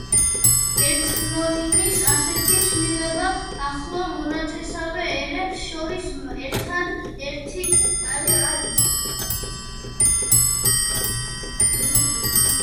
ეთნონიმის ასეთი ცვლილება ახლო მონათესავე ერებს შორის ერთად ერთი არ არის.